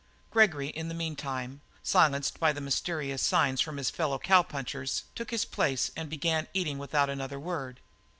Gregory, in the meantime, silenced by the mysterious signs from his fellow cowpunchers, took his place and began eating without another word.